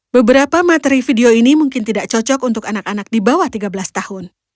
beberapa materi video ini mungkin tidak cocok untuk anak anak di bawah tiga belas tahun